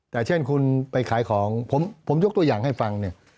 แต่เช่นคุณไปขายของผมยกตัวอย่างให้ฟังเนี่ย